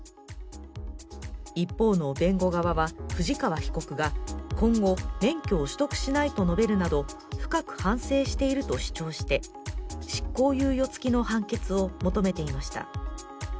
一方の弁護側は、藤川被告が今後、免許を取得しないと述べるなど深く反省していると主張して執行猶予つきの判決を求めていました。